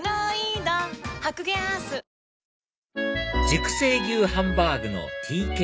熟成牛ハンバーグのＴＫＧ